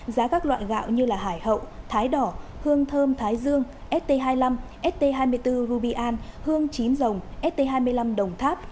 giá các loại gạo như hải hậu thái đỏ hương thơm thái dương st hai mươi năm st hai mươi bốn rubyan hương chín rồng st hai mươi năm đồng tháp